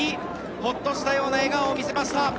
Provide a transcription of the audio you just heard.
ホッとしたような笑顔を見せました。